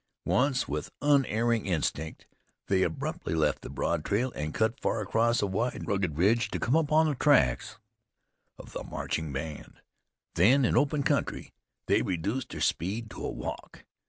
Once, with unerring instinct, they abruptly left the broad trail and cut far across a wide and rugged ridge to come again upon the tracks of the marching band. Then, in open country they reduced their speed to a walk.